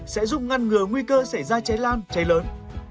sẽ giúp ngăn ngừa nguy cơ xảy ra cháy lan cháy lớn